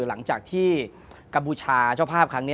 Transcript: หลังจากที่กัมพูชาเจ้าภาพครั้งนี้